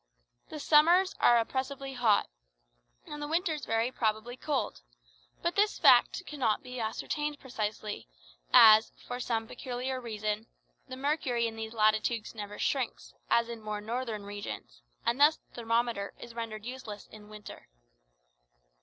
The summers are oppressively hot, and the winters very probably cold; but this fact cannot be ascertained precisely, as, for some peculiar reason, the mercury in these latitudes never shrinks, as in more northern regions, and thus the thermometer is rendered useless in winter.